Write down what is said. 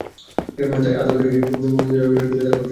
তাই আদালত এসে মূল্য নির্ধারণ করে দিলে তাঁরা ব্যবসা করতে পারবেন না।